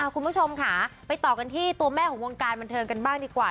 คุณผู้ชมค่ะไปต่อกันที่ตัวแม่ของวงการบันเทิงกันบ้างดีกว่า